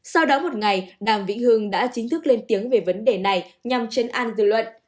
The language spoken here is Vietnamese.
sau đó một ngày đàm vĩnh hương đã chính thức lên tiếng về vấn đề này nhằm chấn an dư luận